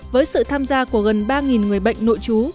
với sự tham gia của gần ba người bệnh nội trú